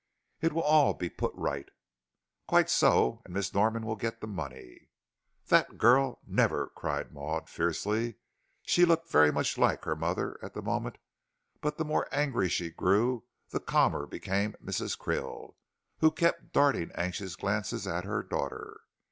"It will all be put right." "Quite so, and Miss Norman will get the money." "That girl never!" cried Maud, fiercely. She looked very like her mother at the moment, but the more angry she grew the calmer became Mrs. Krill, who kept darting anxious glances at her daughter.